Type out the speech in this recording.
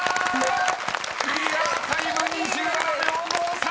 ［クリアタイム２７秒５３！］